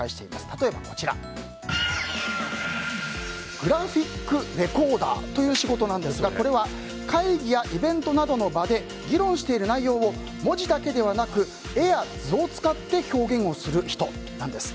例えばグラフィックレコーダーという仕事なんですがこれは会議やイベントなどの場で議論している内容を文字だけではなく絵や図を使って表現をする人なんです。